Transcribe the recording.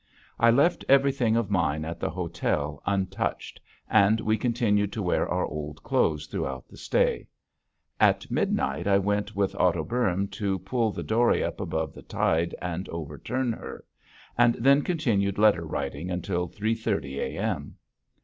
I left everything of mine at the hotel untouched and we continued to wear our old clothes throughout the stay. At midnight I went with Otto Boehm to pull the dory up above the tide and overturn her, and then continued letter writing until three thirty A.M.